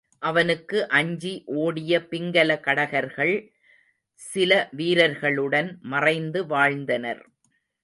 அவனுக்கு அஞ்சி ஓடிய பிங்கல கடகர்கள், சில வீரர்களுடன் மறைந்து வாழ்ந்தனர்.